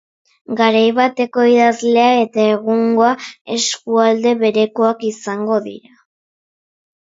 Garai bateko idazlea eta egungoa eskualde berekoak izango dira.